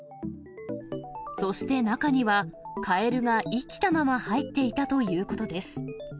そして中には、カエルが生きたまま入っていたということです。